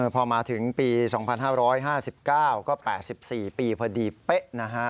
พอมาถึงปี๒๕๕๙ก็๘๔ปีพอดีเป๊ะนะฮะ